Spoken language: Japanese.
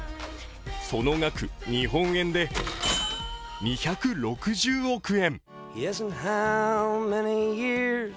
その額、日本円で２６０億円。